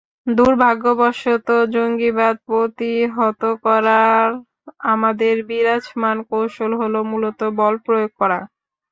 দুর্ভাগ্যবশত, জঙ্গিবাদ প্রতিহত করার আমাদের বিরাজমান কৌশল হলো মূলত বলপ্রয়োগ করা।